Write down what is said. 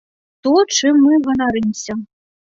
То, чым мы ганарымся.